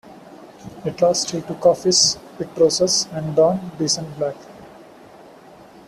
At last he took off his pit-trousers and donned decent black.